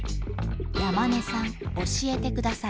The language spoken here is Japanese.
山根さん教えてください。